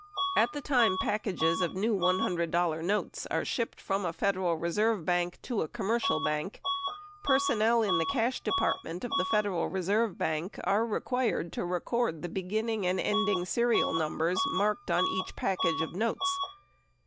At the time packages of new $100 notes are shipped from a Federal Reserve bank to a commercial bank, personnel in the Cash Department of the Federal Reserve Bank are required to record the beginning and ending serial numbers marked on each package of notes.